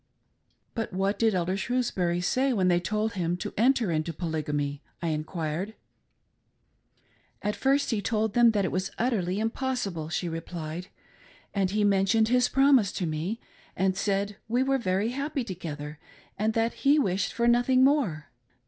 "But what did Elder Shrewsbury say when they told him to enter into Polygamy.?" I enquired. "At first he told them it was utterly impossible," she replied, "and he mentioned his promise to me, and said we were very happy together, and that he wished for nothing more.